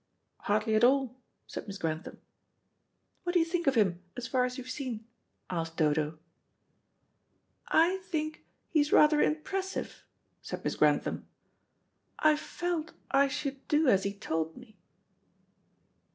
"Hardly at all," said Miss Grantham. "What do you think of him, as far as you've seen?" asked Dodo. "I think he is rather impressive," said Miss Grantham. "I felt I should do as he told me."